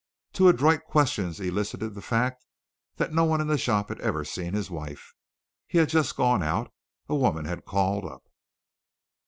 Two adroit questions elicited the fact that no one in the shop had ever seen his wife. He had just gone out. A woman had called up.